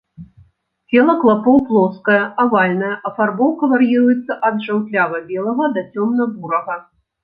Цела клапоў плоскае, авальнае, афарбоўка вар'іруецца ад жаўтлява-белага да цёмна-бурага.